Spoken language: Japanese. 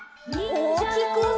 おおきく！